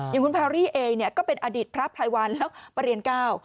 อย่างคุณแพรรี่เองก็เป็นอดิษฐ์พระไพรวัลแล้วประเรียนเก้า